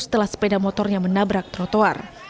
setelah sepeda motornya menabrak trotoar